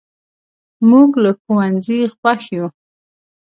موږ له ښوونځي خوښ یو.